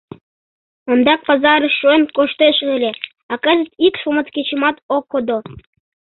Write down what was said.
Ондак пазарыш шуэн коштеш ыле, а кызыт ик шуматкечымат ок кодо.